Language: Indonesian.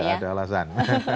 tidak ada alasan